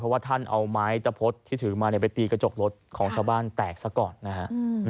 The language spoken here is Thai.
ว่าท่านเอาไม้ตะพดที่ถือมาไปตีกระจกรถของชาวบ้านแตกซะก่อนนะฮะ